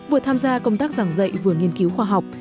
vừa tham gia công tác giảng dạy vừa nghiên cứu khoa học